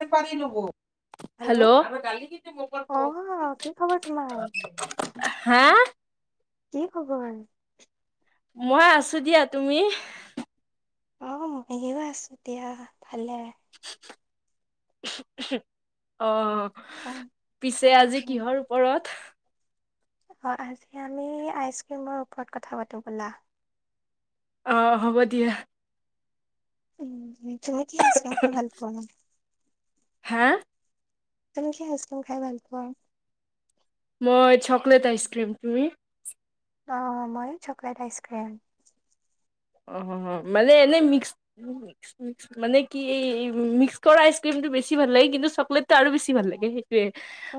[unintelligible] Hello, অ কি খবৰ তোমাৰ হা? কি খবৰ? মই আছো দিয়া, তুমি? অ মইও আছো দিয়া ভালে। অ', অ অ পিছে অ আজি কিহৰ ওপৰত অ আজি আমি আইচ ক্ৰীমৰ ওপৰত কথা পাতো ব'লা। অ, হ'ব দিয়া। উম তুমি কি আইচক্ৰীম খাই ভাল পোৱা নো? হা? কেনেকুৱা আইচক্ৰীম খাই ভাল পোৱা? মই চকলেট আইসক্ৰীম তুমি? অ, ময়ো চকলেট আইচক্ৰীম। অ মানে এনেই মিক্সস মানে কি মিক্স কৰা আইচক্ৰীমটো বেছি ভাল লাগে। কিন্তু চকলেটটো আৰু বেছি ভাল লাগে সেইটোৱে।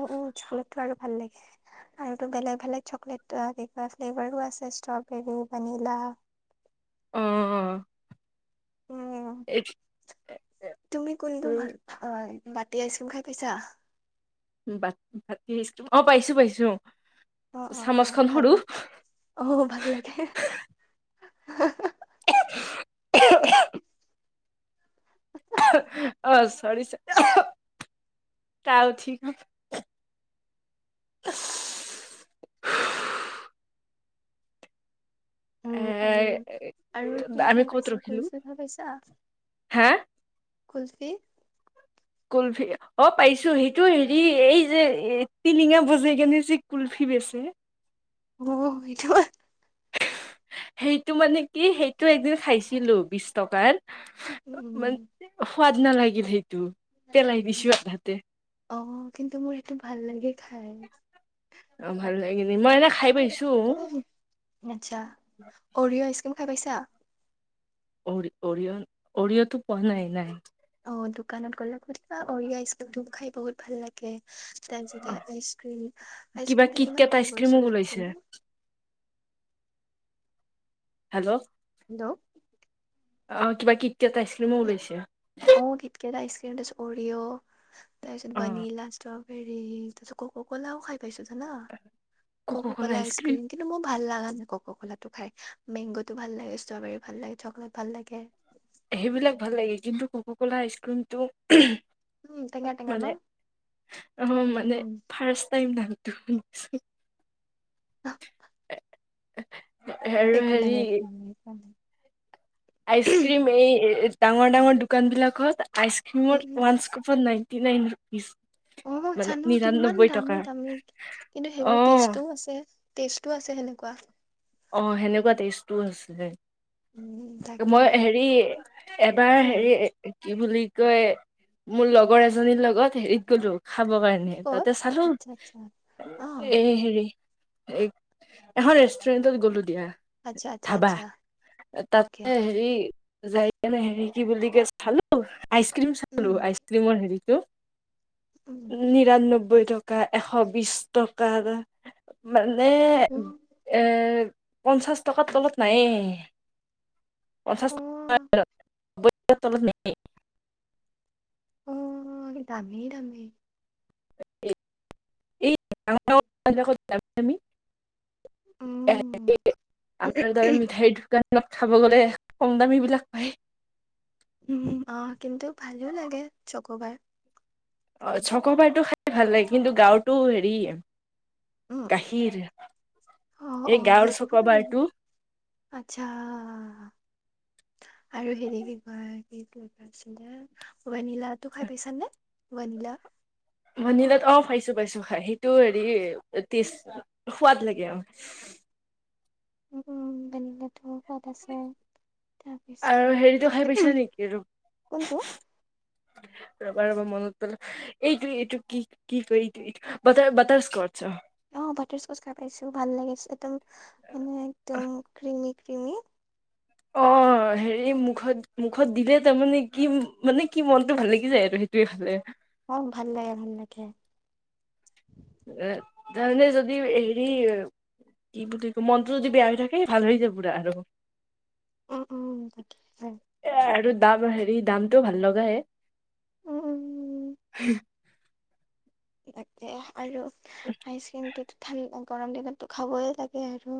অ চকলেটটো আৰু ভাল লাগে আৰুতো বেলেগ বেলেগ চকলেট কা ফ্লেভাৰো আছে ষ্ট্ৰবেৰী, ভনিলা, উম অ উম, এইটো তুমি কোনটো ভাল হয়? বাতি আইচক্ৰীম খাই পাইছা? বাতি-বাতি আইচক্ৰীম পাইছো-পাইছো। অ, অ, অ, ভালে আহ, ভাল লাগে। [unintelligible] [unintelligible] [unintelligible] অ, চৰি চ [unintelligible] কাঁহ উঠি গ'ল। উম আৰু আৰু কি [unintelligible] আমি খাই ক'ত পাইছা ৰখিলো কুলফি খাই হা? কুলফী, কুলফি অ, পাইছো সেইটো হেৰি এই যে টিলিঙা বজাই কেনে যে কুলফি বেচে। অ সেইটো সেইটো মানে কি সেইটো একদিন খাইছিলোঁ বিছ টকাৰ। [unintelligible] মান সোৱাদ নালাগ [unintelligible] তে উম, অ, কিন্তু মোৰ সেইটো ভাল লাগে খাই। অ [unintelligible] মই এনে খাই পাইছো। [unintelligible] আচ্ছা অৰিয় আইচ ক্ৰীম খাই পাইছা? ঔৰি অৰিয়া অৰিঅতো পোৱা নাই- নাই। অ', দোকানত গ'লে সুধিবা, অৰিয় আইছ ক্ৰীমটো খাই বহুত ভাল লাগে। তাৰপিছতে আইচ ক্ৰীম, কিবা আইচক্ৰীমটো কিট কিমান কেট আইচক্ৰীমো [unintelligible] ওলাইছে আছে ন। Hello, hello. অ, কিবা কি কেট আইছ ক্ৰীমো উলাইছে। [unintelligible] কেট আইচ ক্ৰীম তাৰপিছত অৰিঅ। তাৰপিছত অ বনিলা ষ্ট্ৰবেৰী তাৰপিছত কককোলাও খাই পাইছো জানা কক কলা কককলা আইচ আইচক্ৰীম ক্ৰীম কিন্তু মোৰ ভাল লগা কক ক'লাতো খাই, মেংগতো ভাল লাগে, ষ্ট্ৰবেৰী ভাল লাগে, চকলেট ভাল লাগে। সেইবিলাক ভাল লাগে কিন্তু কক কলা আইচক্ৰীমটো উম টেঙা টেঙা ন মানে, অ', মানে উম ফাৰচ টাইম [unintelligible] [unintelligible] [unintelligible] একো নাই, একো নাই, [unintelligible] আইচ ক্ৰিম এই, ডাঙৰ, ডাঙৰ দোকান বিলাকত, উম আইচক্ৰিমৰ উম ওৱানস কপন নাই থি নাইন ৰুপিছ। অ জানো কিমান দামী দামী কিন্তু অ সেইবোৰ টেষ্টো আছে টেষ্টো আছে সেনেকুৱা অ', সেনেকুৱা টেষ্টো আছিল। উম তাকে মই হেৰি এবাৰ উম হেৰি কি বুলি কয় মোৰ লগৰ এজনীৰ লগত হেৰিত গ'লো খাব কাৰণে ক'ত তাতে চালো আচ্ছা আচ্ছা অ এ হেৰি, এই এখন, নত গ'লো দিয়া। আচ্ছা আচ্ছা ধাবা, আচ্ছা অকে তাতে হেৰি, যাই কেনে হেৰি কি বুলি ক চালো আইচক্ৰীম চালো উম আইচক্ৰীমৰ হেৰি, কি? উ উম নিৰান্নব্বৈ নবৈ টকা এশ বিশ টকাৰ ম, মানে, পঞ্চাছ টকাৰ তলত নাইেই পঞ্চাছ অ অ টকা নব্বৈ ট তলত নায়েই অ' দামেই, দামেই। [unintelligible] তমি উম [unintelligible] আমাৰ ধৰ মিঠাইৰ দুকান ত খাব গ'লে কম দামী বিলাক পায়। উ অ' কিন্তু ভালো লাগে চক'বাৰ। অ' চক' পাইটো খাই ভাল লাগে কিন্তু গাঁৱতো হেৰি উম, কাঁহীৰ অ' অ' সেইবোৰ মাল আচ্ছা। আৰু হেৰি কি কয়? বেইট ল পচিলে [unintelligible] অই নীলা তো খাই পাইছা নে বনিলা ভনিলাত অ পাইছো পাইছো খাই সেইটো হেৰি টেষ্ট সোৱাদ লাগে আৰু। [unintelligible] আৰু তাৰপিছত, হেৰিটো খাই পাইছা নেকি আৰু কোনটো? ৰবা ৰবা মনত পেলাও এইটো এইটো কি কি ক এইটোটোৰ বাটাৰ স্কট। অ বাটাৰ স্কচ খাই পাইছো ভাল লাগিছে একদম মানে একদম ক্ৰিমি। কিমি। অ হেৰি মুখত মুখত দিলে তাৰমানে কি মানে কি মনতটো ভাল লাগি যায় আৰু সেইটোৱে হ'লে। অ' ভাল লাগে, ভাল লাগে। এ তাৰমানে যদি হেৰি কি বুলি ক মনটো যদি বেয়া হৈ থাকে ভাল হৈ যায় পুৰা আৰু। উম, উম তাকে এ আৰু দাম হেৰি দামটোও ভাল লগাই। উম, উম। তাকে। আৰু আইচ ক্ৰীমটোত ভাল গৰম দিনতো খাবই লাগে আৰু।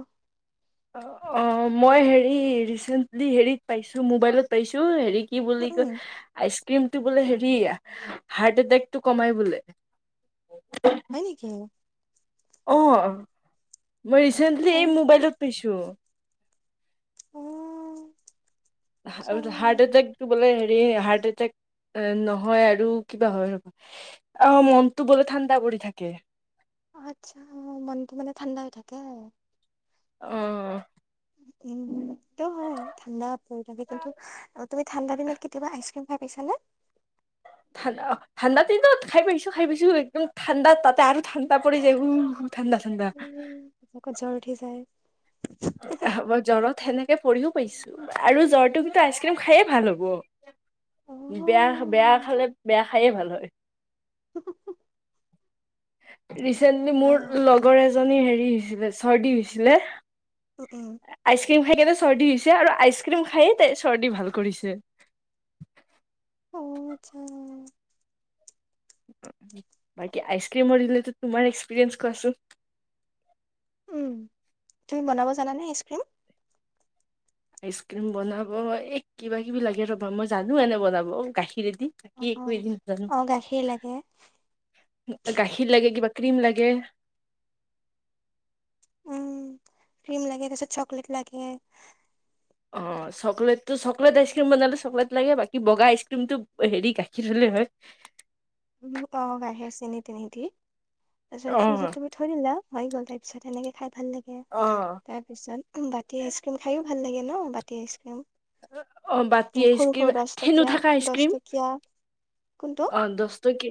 অ মই হেৰি ৰিচেন্টলি হেৰিত পাইছোঁ মোবাইলত পাইছোঁ হেৰিত কি বুলি উম, কয়? উম। আইচ ক্ৰীমটো বোলে হেৰি হাৰ্ট এটেকটো কমাই বোলে। হয় নেকি। অ'। মই ৰিচেণ্টলি অ এই মো'বাইলত পাইছোঁ, উ। হাৰ্ট এটেকটো বোলে, হাৰ্ট এটেক নহয় আৰু কিবা হয় অ মনতটো বলে ঠাণ্ডা পৰি থাকে। আচ্ছা মনটো মানে ঠাণ্ডা হৈ থাকে আৰু। আহ। উটো হয় ঠাণ্ডা কিন্তু তুমি ঠাণ্ডা দিনত কেতিয়াবা আইচক্ৰীম খাই পাইছানে? ঠাণ্ডা অ ঠাণ্ডা তি খাই পাইছো খাই পাইছো একদম ঠাণ্ডা তাতে আৰু ঠাণ্ডা পৰি যায়। ঠাণ্ডা ঠাণ্ডা। উম আকৌ জ্বৰ উঠি যায় জ্বৰত সেনেকে পৰিও পাইছো আৰু জ্বৰটো কিন্তু আইচক্ৰীম খায়ে ভাল হ'ব অ বেয়া বেয়া খালে বেয়া খায়ে ভাল হয়। [unintelligible] ৰিচেন্টলি মোৰ বাহ, লগৰ এজনী হেৰি হৈছিলে চৰ্দি হৈছিলে, উম উম আইচক্ৰীম খাই কেনে, চৰ্দি হৈছে আৰু আইচ ক্ৰীম খাই তাই চৰ্দি ভাল কৰিছে। অ আচ্ছা। বাকী আইচ ক্ৰীমৰৰিলেটত তোমাৰ এক্সপিৰিয়েঞ্চ কোৱাচোন। উম তুমি বনাব জানানে আইচক্ৰীম? আইচ ক্ৰীম বনাব এ কিবা কিবি লাগে ৰ'বামই জানো এনে বনাব, গাখীৰ গাখীৰ ৰেদি অ বাকি অ একো এৰি নাজানো অ গাখীৰ লাগে গাখীৰ লাগে কিবা ক্ৰীম লাগে। উম ক্ৰীম লাগে তছ চকলেট লাগে। অ চকলেটটো চকলেট আইচক্ৰীম বনালে চকলেট লাগে বাকী বগা আইচক্ৰীমটো হেৰি গাখীৰ হলে হয়। উম অ বাহিৰত চেনি টেনি দি। অ তাৰপিছত ফ্ৰিজত তুমি থৈ দিলা। হৈ গ'ল তাৰ পিছত সেনেকে খাই ভাল লাগে অ তাৰপিছত বাতি আইচক্ৰীম খাইও ভাল লাগে ন বাতি আইচক্ৰীম। অ। বাতি এই সৰু আইচক্ৰীম সৰু দহ ঠেনু টকীয়া থকা দহ আইচক্ৰীম টকীয়া কোনটো অ দহ টকী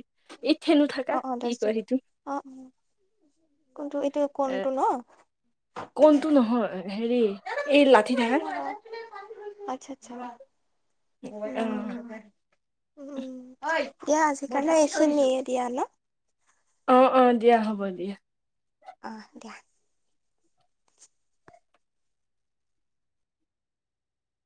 এই ঠেনু থকা অ অ কি কয় সেইটো দহটকীয়া অ অ কোনটো এইটো এ কোনটো ন? কোনটো নহয়। হেৰি এই লাঠি থাকাৰ। ন [unintelligible] [unintelligible] উম দিয়া আজি কাৰণে এইখিনিয়ে দিয়া ন। অ অ দিয়া হ'ব দিয়া। আহ দিয়া।